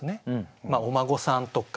まあお孫さんとか。